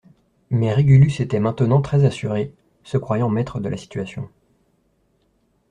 Mais Régulus était maintenant très assuré, se croyant maître de la situation.